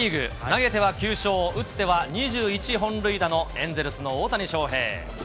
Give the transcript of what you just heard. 投げては９勝、打っては２１本塁打のエンゼルスの大谷翔平。